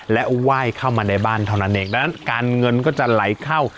และไหว้เข้ามาในบ้านเท่านั้นเองดังนั้นการเงินก็จะไหลเข้า